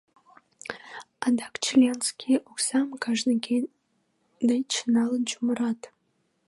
Адак членский оксам кажне деч налын чумырат.